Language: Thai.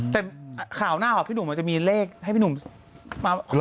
แต่ข่าวหน้าพี่หนูมันจะมีเลขให้พี่หนูมมา